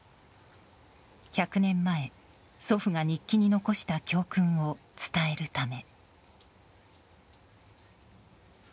１００年前、祖父が日記に残した教訓を伝えるため。